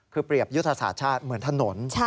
คือเปรียบยุทธศาสตร์ชาติเหมือนถนน